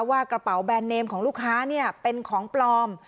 ว่ากระเป๋าแบรนดเนมของลูกค้าเป็นของปลอม